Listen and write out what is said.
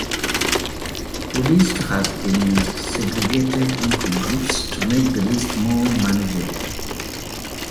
The list has been segregated into groups to make the list more manageable.